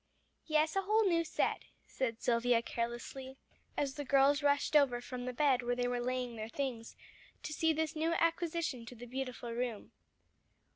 "Yes, a whole new set," said Silvia carelessly, as the girls rushed over from the bed where they were laying their things, to see this new acquisition to the beautiful room.